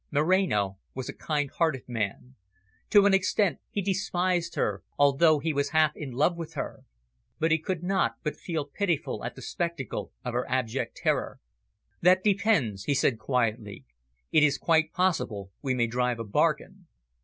Moreno was a kind hearted man. To an extent he despised her, although he was half in love with her. But he could not but feel pitiful at the spectacle of her abject terror. "That depends," he said quietly. "It is quite possible we may drive a bargain."